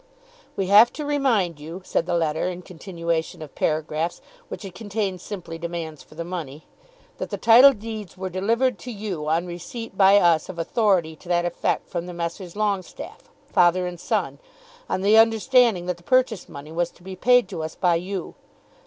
"We have to remind you," said the letter, in continuation of paragraphs which had contained simply demands for the money, "that the title deeds were delivered to you on receipt by us of authority to that effect from the Messrs. Longestaffe, father and son, on the understanding that the purchase money was to be at once paid to us by you.